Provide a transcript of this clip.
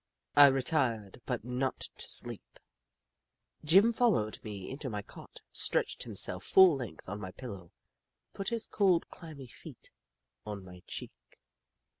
I retired, but not to sleep. Jim followed me into my cot, stretched himself full length on my pillow, and put his cold, clammy feet on my cheek.